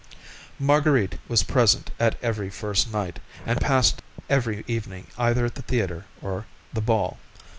Marguerite was always present at every first night, and passed every evening either at the theatre or the ball.